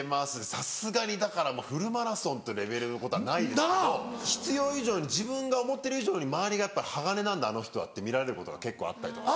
さすがにだからフルマラソンってレベルのことはないですけど。必要以上に自分が思ってる以上に周りが「鋼なんだあの人は」って見られることが結構あったりとか。